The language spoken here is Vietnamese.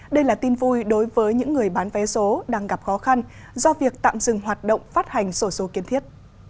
đây là tin vui đối với những người bán vé số đang gặp khó khăn do việc tạm dừng hoạt động phát hành sổ số kiên thiết